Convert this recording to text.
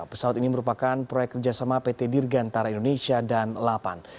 pesawat ini merupakan proyek kerjasama pt dirgantara indonesia dan lapan